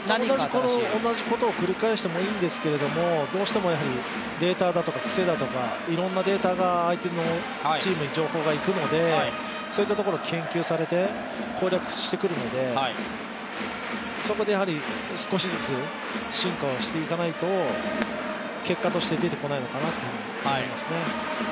同じことを繰り返してもいいんですが、どうしてもデータだとか癖だとか、いろんなデータが相手のチームに情報がいくので、そういったところを研究されて攻略してくるので、そこで少しずつ進化をしていかないと結果として出てこないのかなと思いますね。